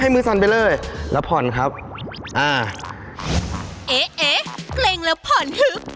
มือสั่นไปเลยแล้วผ่อนครับอ่าเอ๊ะเอ๊ะเกร็งแล้วผ่อนคึก